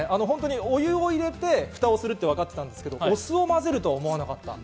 お湯を入れてふたをするって分かってたんですけど、お酢を混ぜるとは思わなかった。